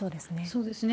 そうですね。